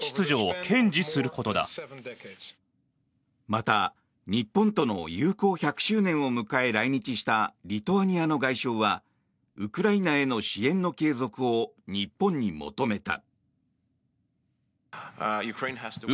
また、日本との友好１００周年を迎え来日したリトアニアの外相はウクライナへの支援の継続を日本に求めた。